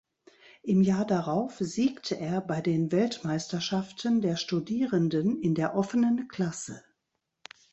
Im Jahr darauf siegte er bei den Weltmeisterschaften der Studierenden in der offenen Klasse.